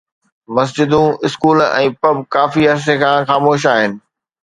مسجدون، school ۽ pub ڪافي عرصي کان خاموش آهن